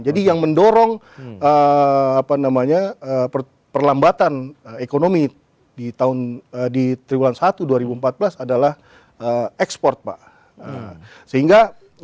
jadi yang mendorong apa namanya perlambatan ekonomi di tahun di triwulan satu dua ribu empat belas adalah ekspor pak sehingga